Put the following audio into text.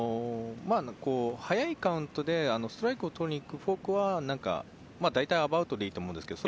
速いカウントでストライクを取りにいくフォークはアバウトでいいと思うんですけど。